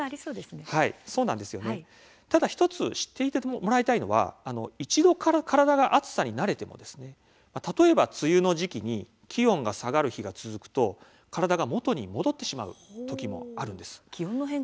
ただ１つ知っておいてもらいたいのは一度、体が暑さに慣れても例えば梅雨の時期に気温が下がる日が続くと体が元に戻ってしまうこともあります。